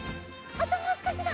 あともうすこしだ！